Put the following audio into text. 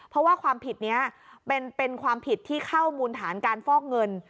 เพราะว่าความผิดนี้เป็นความผิดที่เข้ามูลฐานการฟอกเงิน